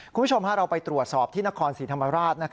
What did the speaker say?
คุณผู้ชมเราไปตรวจสอบที่นครศรีธรรมราช